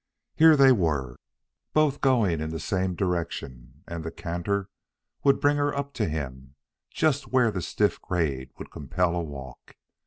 Here they were, both going in the same direction, and the canter would bring her up to him just where the stiff grade would compel a walk.